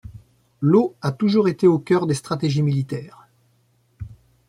L'eau a toujours été au cœur des stratégies militaires.